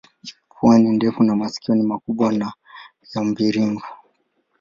Pua ni ndefu na masikio ni makubwa na ya mviringo.